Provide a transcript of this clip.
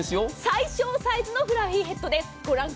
最小サイズのフラフィヘッドです。